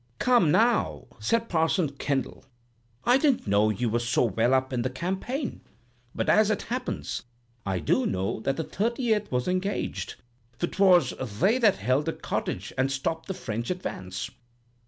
'Come, now,' said Parson Kendall, 'I didn't know you was so well up in the campaign. But, as it happens, I do know that the 38th was engaged, for 'twas they that held a cottage and stopped the French advance.'